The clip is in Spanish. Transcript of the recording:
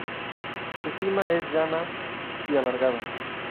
Su cima es llana y alargada.